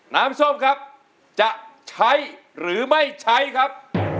น้ำส้มครับจะใช้หรือไม่ใช้ครับ